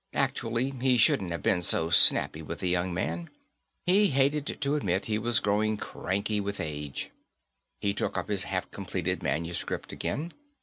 Actually, he shouldn't have been so snappy with the young man; he hated to admit he was growing cranky with age. He took up his half completed manuscript again.